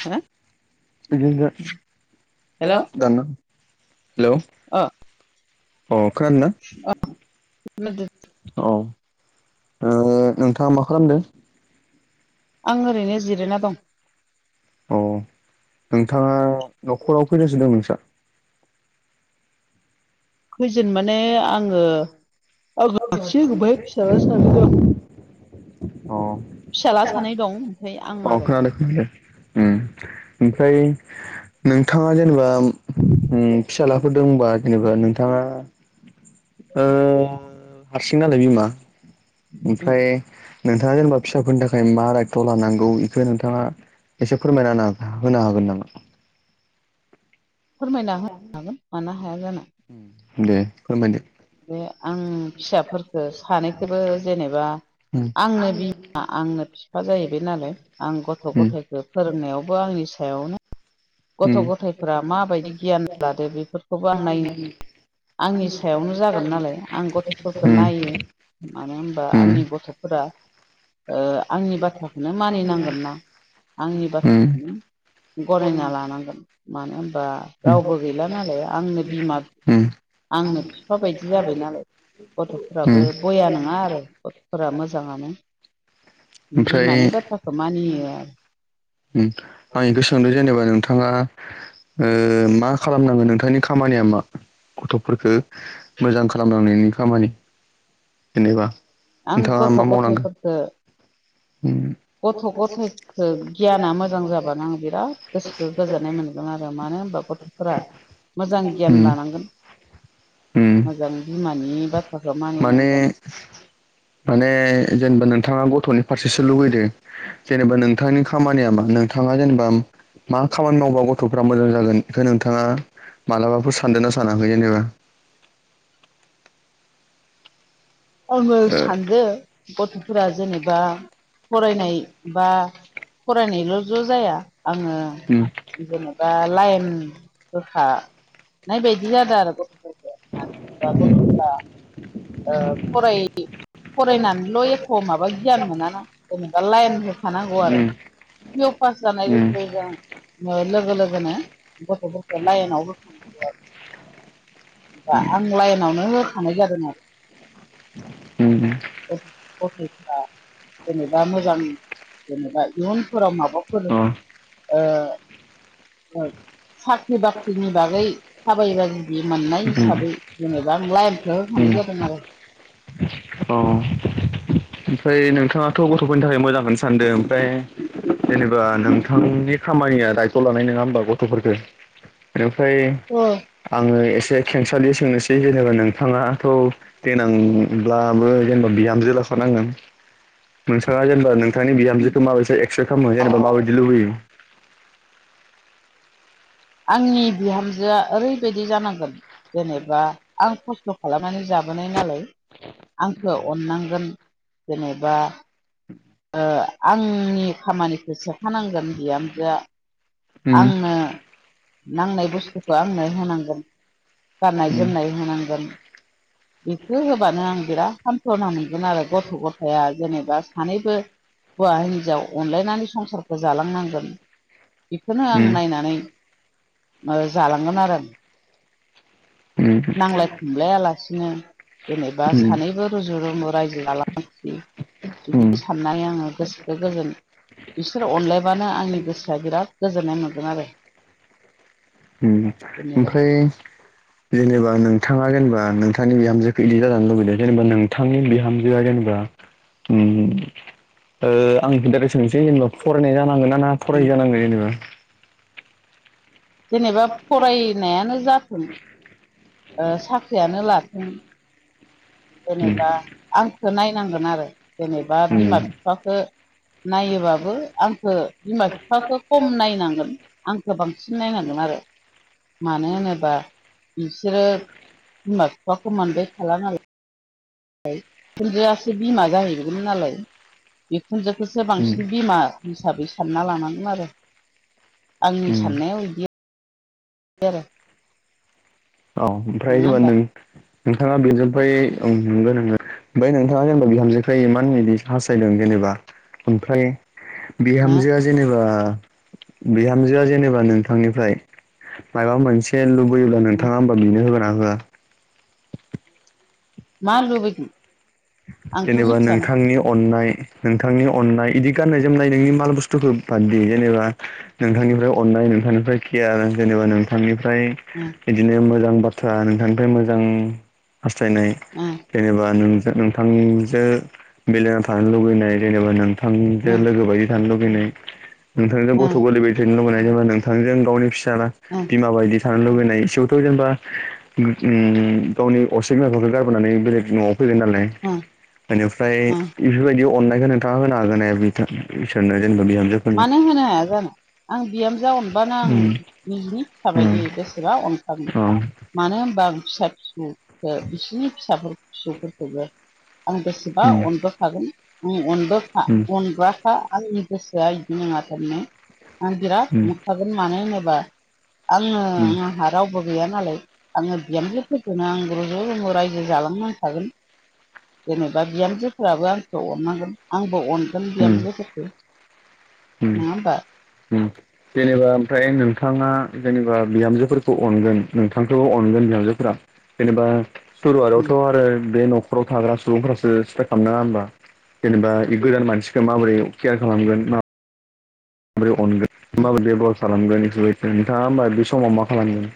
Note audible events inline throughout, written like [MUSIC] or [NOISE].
हा। बिदिनो हेलौ दाना हेलौ ओ। अ खोनादोंना अ ओ नोंथाङा मा खालामदों? आं ओरैनो जिरायना दं। अ नोंथाङा न'खराव फैनोसो दं नोंस्रा? खैजोन माने आङो [INAUDIBLE] आं हारसिं ओमफ्राय फिसाला अ सानै दं खोनादों फिसाला सानै दं खोनादों। ओमफ्राय आं आरो उम ओमफ्राय नोंथाङा जेनेबा उम फिसालाफोर दंबा जेनेबा नोंथाङा ओ हारसिं नालाय बिमा उम ओमफ्राय। नोंथाङा जेनेबा फिसाफोरनि थाखाय मा रायथ'ला नांगौ इखो नोंथाङा एसे फोरमायना होनो हागोन नामा? फोरमायना होनो हागोन मानो हाया जानो। दे फोरमायदो बे आं फिसाफोरफोरखौ सानैखबो जेनेबा उम आंनो बिमा आंनो बिफा जाहैबाय नालाय आं गथ' उम गथायखौ फोरोंनायाव बो आंनि सायावनो गथ' उम गथायफोरा माबायदि गियान लादो बेफोरखौबो आं नायनो आंनि सायावनो जागोन नालाय आं गथ'फोरखौ नायो मानो होनबा उम आंनि गथ'फोरा आंनि बाथ्राखौनो मानिनांगोनना आंनि उम बाथ्राखौनो गनायना लानांगोन मानो होनबा उम रावबो गैला नालाय आंनो बिमा उम आंनो बिफा बायदि जाबाय नालाय गथ'फोराबो उम बया नङा आरो गथ'फोरा मोजाङानो ओमफ्राय बिमानि बाथ्राखौ मानियो [UNINTELLIGIBLE] उम आं गोसोखांदों जेनेबा नोंथाङा ओ मा खालामनांगोन नोंथांनि खामानिया मा गथ'फोरखौ मोजां खालामलांनायनि खामानि जेनेबा आं नोंथाङा गथ' मा गथ' मावनांगो? फोरखो उम गथ' गथ'खो गियाना मोजां जाबा बानो आं बिराद गोसो गोजोननाय मोनगोन आरो मानो होनबा गथ'फोरा मोजां गियान उम लानांगोन उम मोजां बिमानि बाथ्राखौ माने मानिनांगोन माने जेनेबा नोंथां नोंथाङा गथ'नि फारसेसो लुुबैदो जेनेबा नोंथांनि खामानिया मा नोंथाङा जेनेबा मा खामानि मावबा गथ'फ्रा मोजां जागोन बेखायनो नोंथाङा मालाबाफोर सानदोंना सानाखै जेनेबा [INAUDIBLE] आङो ओ सानदो गथ'फोरा जेनेबा फरायनाय बा फरायनायल' ज' जाया आङो उम जेनेबा लाइन होखा नाय बायदि जादों आरो गथ'फोरखौ मानो होनोबा उम गथ'फोरा ओ फराय फरायनानैल' एख' माबा गियान मोनाना जेनेबा लाइन होखानांगौ आरो पिअ पास जानाय लोगो उम लोगो आं नो लोगो लोगोनो गथ'फोरखो लाइनाव होखा आं लाइनावनो होखानाय जादों आरो उम जेनेबा जेनेबा मोजां जेनेबा इयुनफोराव माबाफोर ओ अ ओ साख्रि बाख्रिनि बागै थाबायबा जुदि मोननाय उम हिसाबै जेनेबा आं लाइनखौ हो उम खानाय [UNINTELLIGIBLE] औ ओमफ्राय नोंथाङाथ' गथ'फोरनि थाखाय मोजांनो सानदों ओमफ्राय जेनेबा नोंथांनि खामानिया दायथ' लानाय नङा होमबा गथ'फोरफोरखो बेनिफ्राय आङो एस जे खेंसालि सोंनोसै जेनेबा नोंथाङाथ' देनां ब्लाबो जेनेबा बिहामजो लाखानांगोन नोंथाङा जेनेबा नों नोंथांनि बिहामजोखौ माबायसा एक्सेप खालामोे जेनेबा माबायदि लुबैयो आंनि बिहामजोआ ओरैबायदि जानांगोन जेनेबा आं खस्थ' खालामनानै जाबोनाय नालाय आंखौ अननांगोन जेनेबा ओ आंनि खामानिखौ सेख'नांगोन बिहामजोआ उम आंनो नांनाय बुस्थुखौ आंनो होनांगोन गाननाय उम जोमनाय होनांगोन बेखौ होबानो आं बिराद खान्थ'ना मोनगोन आरो गथ' गथाया जेनेबा सानैबो हुवा हिन्जाव अनलायनानै संसारखौ जालांनांगोन। बिखोनो आं उम नायनानै ओ जालांगोन आरो आं उम नांज्लाय खमलायालासिनो जेनेबा उम सानैबो रुजु रुमु रायजो [UNINTELLIGIBLE] उम बिदि साननाय आङो गोसोखो गोजोन बिसोर अनलायबानो आंनि गोसोआ बिराद गोजोननाय मोनगोन आरो ओम जेनेबा ओमफ्राय जेनेबा नोंथाङा जेनेबा नोंथांनि बिहामजोखौ इदि जानो लुुबैदों जेनेबा नोंथांनि बिहामजोआ जेनेबा आंडेट सोंसै जेनेबा फरायनाय जानांगोन ना [UNINTELLIGIBLE] ना फरायि जानांगोन जेनेबा जेनेबा फरायनायानो जाथों। साख्रियानो लाथों उम जेनेबा आंखौ नायनांगोन आरो जेनेबा बिमा उम बिफाखौ नायोबाबो आंखौ बिमा बिफाखौ खम नायनांगोन आंखौ बांसिन नायनांगोन आरो मानो होनोबा नोंसोरो बिमा बिफाखौ मोनबाय थाया नालाय बिखुनजायासो बिमा जाहैदों नालाय बिखुनजोखौसो उम बांसिन बिमा हिसाबै सानना लानांगोन आरो आंनि उम साननाया बिदि [UNINTELLIGIBLE] औ ओमफ्राय नङा जेनेबा होमबा नोंथाङा बेजोंफ्राय औ नंगोन नोङो ओमफ्राय नोंथाङा जेनेबा बिहामजोफ्राय इमान बिदि हास्थायदों जेनेबा ओमफ्राय हो बिहामजोआ जेनेबा बिहामजोआ जेनेबा नोंथांनिफ्राय माबा मोनसे लुबैयोब्ला नों [INAUDIBLE] मा आंथ' जेनेबा मिथियाना नोंथांनि अननाय नोंथांनि अननाय बिदि गाननाय जोमनाय नोंनि माल बुस्थु बादि जेनेबा नोंथांनिफ्राय अननाय नोंथांनिफ्राय केयार जेनेबा नोंथांनिफ्राय ओमफ्राय बिदिनो मोजां बाथ्रा नोंथांनिफ्राय मोजां हास्थायनाय जेनेबा नोंथांजों बेलाव थानो लुबैनाय जेनेबा नोंथांजों लोगो बायदि थानो लै नोंथांजों गथ' गोरलै ब थनो लुबैनाय जेनबा नोंथांजों गावनि फिसा बिमा बायदि थानो लुबैनाय इथ' जेनेबा गावनि असे बिमााफोरखौ गारबोनानै बेलेग न'आव फै नाय बेनिफ्राय बेफोरबायदि अननायखौ नोंथाङा होनो हागोन बिसोरनो मानो होनो हाया जानो आं बिहामजो अनबानो आं उम निजिनि फिसा उम बायदि बेसेबा अनखागोन। औ मानो होनबा बिस फिसौ बिसिनि फिसाफोर फिसौफोरखौबो आं बेसेबा उम अनबोखागोन। आं अनबोखा उम अनग्राखा आंनि गोसोआ बिदि नङा थारनो। आं बिराद अनखागोन मानो होनोबा आङो उम आंहा रावबो गैयानो नालाय आङो बिहामजोफोरखौनो आं रजु रमु रायजो जालांनांखागोन। जेनेबा बिहामजोफोराबो आंखौ अननांगोन आंबो अनगोन उम बिहामजोफोरखौ नङा होमबा जेनेबा ओमफ्राय नोंथाङा जेनेबा बिहामजोफोरखौ अनगोन नोंथांथ' अनगोन बिहामजोफ जेनेबा सुरुवारआवथ' आरो बे न'खराव थाग्रा सुबुंफोरासो सिथा खालामनाङा होमबा जेनेबा गोदान मानसिखौ माबोरै केयार खालामगोन। माबोरै अनगोन माबोरै डेभेलप खालामगोन एस बायदि नोंथाङा होमबा बे समाव मा खालामगोन।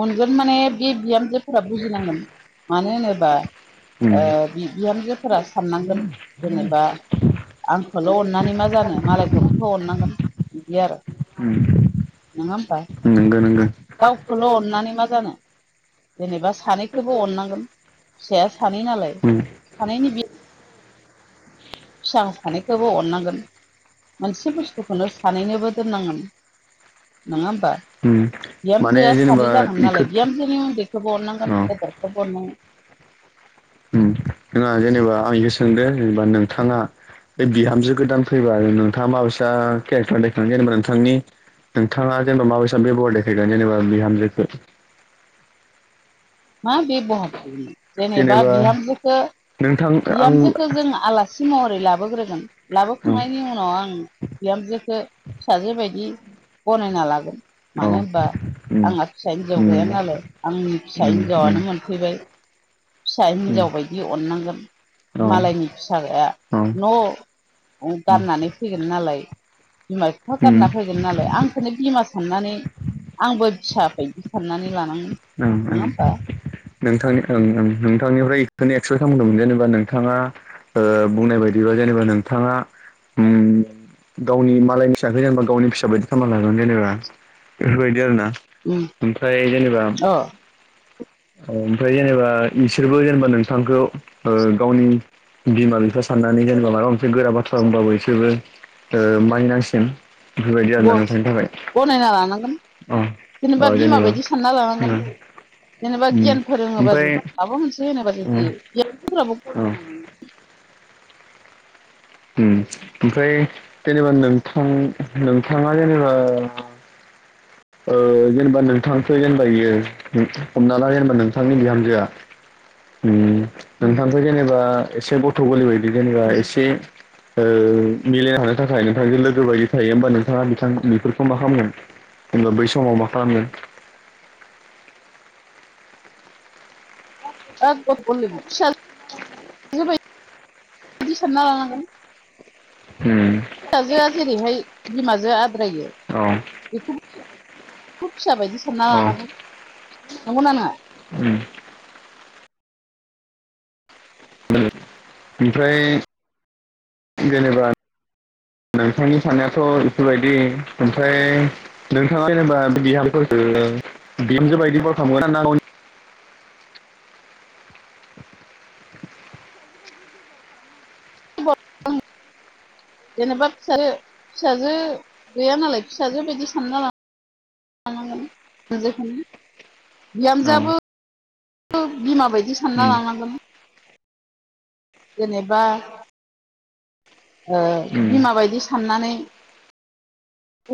अनगोन माने बे बिहामजोफोरा बुजिनांगोन मानो होनोबा उम बिहामजोफोरा साननांगोन जेनेबा आंखौल' अननानै मा जानो मालायखौबोथ' अननांगोन बिदि आरो नङा होमबा नंगौ नंगो नानै मा जानो? जेनेबा सानैखौबो अननांगोन फिसाया सानै नालाय उम सानैनि बि फिसा सानैखौबो अननांगोन मोनसे बुस्थुखौनो सानैनोबो दोननांगोन नङाम - बा उम माने बिहामजोआ जेनेबा सानै जागोन इखो नालाय अ बिहामजोनि उन्दैखौबो अननांगोन गेदेरखौबो अननांगोन नोंथाङा जेनेबा आंखौ सोंदों जेनेबा नोंथाङा बे बिहामजो गोदान फैबा नोंथाङा माबेसा केरेक्टार नायगोन जेनेबा नोंथांनि नोंथाङा जेनेबा माबेसेब बेबहार देखायगोन जेनेबा बिहामजोखौ मा बे बहत जेनेबा बिहामजोखौ नोंथां आं बिहामजोखौ जों आलासि महरै लाबोग्रोगोन उम लाबोखांनायनि उनाव आं बिहामजोखौ फिसाजो बादि गनायना लागोन औ मानो होनबा उम आंहा फिसा हिनजाव गैया उम नालाय आंनि फिसा उम उम हिनजावनो मोनफैबाय फिसा उम हिनजाव बायदि अननांगोन औ औ मालायनि फिसाया न' गारननानै फैगोन नालाय बिमा बिफा उम गारना फैगोन नालाय आंखौनो बिमा साननानै आंबो फिसा बायदि साननानै लानांगोन ओं ओं नङा होमबा? नोंथांनि ओं ओं ओं नोंथांनिफ्राय बेखौनो एक्सपेक्ट खालामदोंमोन जेनेबा नोंथाङा बुंनाय बायदिबा जेनेबा नोंथाङा उम गावनि मालायनि फिसाखो जेनेबा गावनि फिसा बायदि खालामामना लागोन जेनेबा बेफोरबायदि आरो ना ओमफ्राय जेनेबा अ ओमफ्राय जेनेबा इसोरबो जेनेबा नोंथांखौ ओ गावनि बिमा बिफा सान नानै जेनेबा माबा मोनसे गोरा बाथ्रा बुंबाबो ओ बिसोरबो मानिनांसिगोन बेफोरबायदि आरोना नोंथांनि थाखाय गनायना लानांगोन अ औ जेनबा जेनबा गियान फोरोङोबा जुदि माबा अ मोनसे अ [UNINTELLIGIBLE] ओम ओमफ्राय जेनेबा नोंथां नोंथाङा जेनेबा [INAUDIBLE] ओ जेनेबा नोंथांखौ जेनेबा बियो हमना ला जेनेबा नोंथांनि बिहामजोआ नोंथांथ' जेनेबा एसे गथ' गोलै बायदि जेनेबा एसे ओ मिलायनो हानो थाखाय नोंथांजों लोगो बायदि थायो होमबा नोंथाङा बिथां बेफोरखौ मा खालामगोन होनबा बै समाव मा खालामदों [UNINTELLIGIBLE] बिदि सानना लानांगौ ओम फिसाजोआ जेरैहाय बिमाजों आद्रायो औ बेखौ फिसा बायदि सानना औ लानांगोन नंगौना नङा ओम ओमफ्राय जेनेबा नोंथांनि साननायाथ' बेफोरबायदि ओमफ्राय नोंथाङा जेनेबा बिहामखौ [UNINTELLIGIBLE] [INAUDIBLE] [UNINTELLIGIBLE] जेनेबा फिसाजो फिसाजो गैया नालाय फिसाजो बिदि सानना [UNINTELLIGIBLE] [UNINTELLIGIBLE] औ बिहामजोआाबो बिमा बायदि सानना उम लानांगोन जेनेबा ओ उम बिमा बायदि साननानै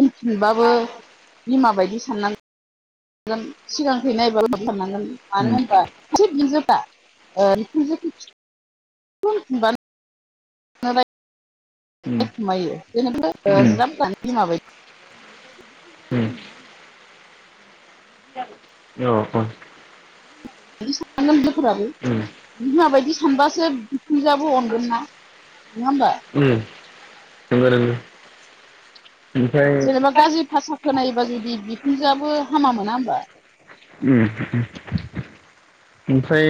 उफिनबाबो बिमा बायदि साननानै [INAUDIBLE] [INAUDIBLE] उम [INAUDIBLE] औ उम [INAUDIBLE] बिमाबायदि सानबासो बिखुनजोयाबो अनगोन ना नङा होमबा? ओम नंगौ नंगौ। ओमफ्राय जेनेबा गाज्रि भाषा खोनायोबा जुदि बिखुनजोआबो हामा मोना होमबा? ओम ओमफ्राय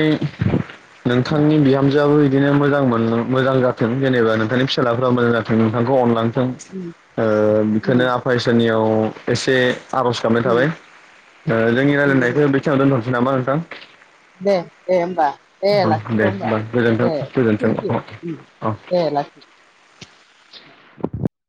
नोंथांनि बिहामजोआबो बिदिनो मोजां मोन मोजां जाथों जेनेबा नोंथांनि फिसालाफ्राबो मोजां जाथों नोंथांखौ अनलां थों उम ओ उम बेखौनो आफा इसोरनियाव एसे आर'ज गाबनाय उम थाबाय ओ जोंनि नंगौ रायलायनायखौ बेखिनियावनो दोनथ'नोसै नामा नोंथां? दे दे होमबा। दे औ लाखिथ' दे होमबा गोजोनथों दे गोजोनथों थेंकिइउ उ अ अ दे लाखि। [INAUDIBLE]